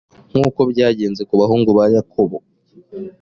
nk uko byagenze ku bahungu ba yakobo